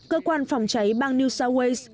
cơ quan phòng cháy bang new south wales